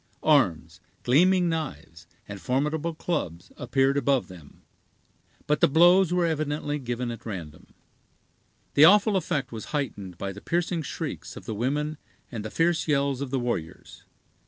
Arms, gleaming knives, and formidable clubs, appeared above them, but the blows were evidently given at random. The awful effect was heightened by the piercing shrieks of the women and the fierce yells of the warriors.